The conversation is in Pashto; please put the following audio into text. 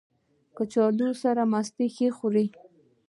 کچالو سره مستې ښه خوري